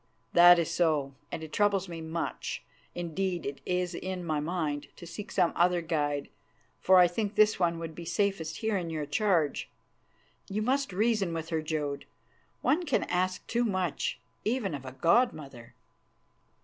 "That is so, and it troubles me much. Indeed, it is in my mind to seek some other guide, for I think this one would be safest here in your charge. You must reason with her, Jodd. One can ask too much, even of a god mother."